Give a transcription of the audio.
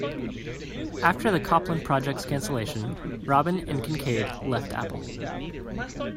After the Copland project's cancellation, Robbin and Kincaid left Apple.